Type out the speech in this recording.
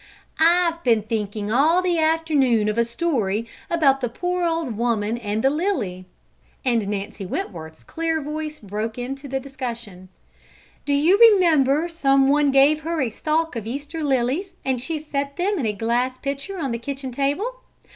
"I've been thinking all the afternoon of the story about the poor old woman and the lily," and Nancy Wentworth's clear voice broke into the discussion. "Do you remember some one gave her a stalk of Easter lilies and she set them in a glass pitcher on the kitchen table?